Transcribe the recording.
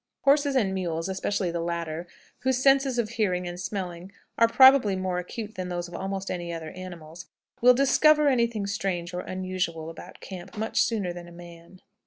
Horses and mules (especially the latter), whose senses of hearing and smelling are probably more acute than those of almost any other animals, will discover any thing strange or unusual about camp much sooner than a man.